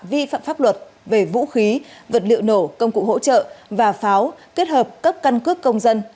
vi phạm pháp luật về vũ khí vật liệu nổ công cụ hỗ trợ và pháo kết hợp cấp căn cước công dân